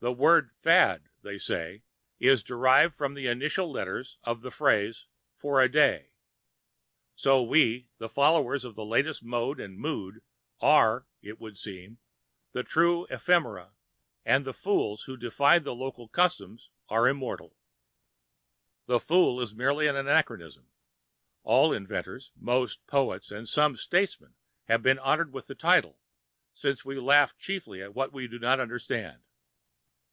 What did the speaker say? The word "fad," they say, was derived from the initial letters of the phrase "for a day." So we, the followers of the latest mode and mood, are, it would seem, the true ephemera, and the fools who defy the local custom are immortal. The fool is merely an anachronism. All inventors, most poets, and some statesmen have been honoured with the title, since we laugh chiefly at what we do not understand.